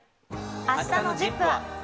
あしたのＺＩＰ！は。